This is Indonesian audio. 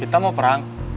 kita mau perang